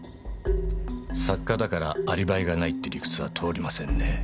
作家だからアリバイがないって理屈は通りませんねぇ。